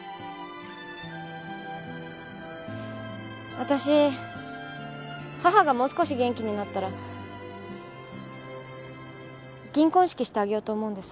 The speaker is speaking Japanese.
わたし母がもう少し元気になったら銀婚式してあげようと思うんです。